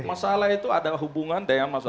masalah itu ada hubungan